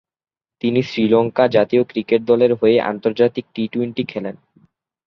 তিনি শ্রীলঙ্কা জাতীয় ক্রিকেট দলের হয়ে আন্তর্জাতিক টি-টোয়েন্টি খেলেন।